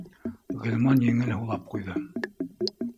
Ғилман еңел һулап ҡуйҙы